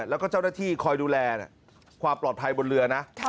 แล้วก็เจ้าหน้าที่คอยดูแลความปลอดภัยบนเรือนะ